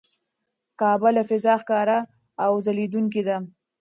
کعبه له فضا ښکاره او ځلېدونکې ده.